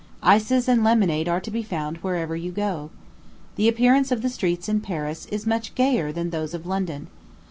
Ices and lemonade are to be found wherever you go. The appearance of the streets in Paris is much gayer than those of London.